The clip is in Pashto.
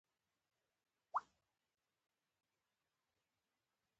او هلته به ئې سپېڅلې جوړې ميرمنې په برخه وي